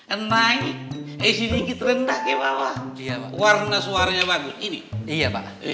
a naik sedikit rendah ke bawah warna suaranya bagus ini iya pak